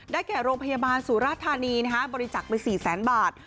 ได้แค่โรงพยาบาลสุรธารณีบริจาคไป๔๐๐๐๐๐บาท